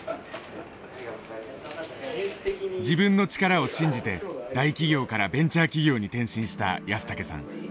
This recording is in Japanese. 自分の力を信じて大企業からベンチャー企業に転身した安竹さん。